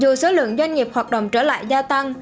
dù số lượng doanh nghiệp hoạt động trở lại gia tăng